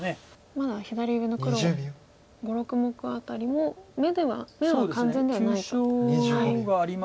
まだ左上の黒５６目辺りも眼は完全ではないと。